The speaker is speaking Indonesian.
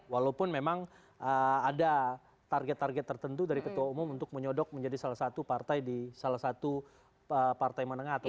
walaupun memang ada target target tertentu dari ketua umum untuk menyodok menjadi salah satu partai di salah satu partai menengah